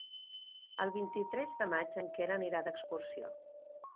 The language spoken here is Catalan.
El vint-i-tres de maig en Quer anirà d'excursió.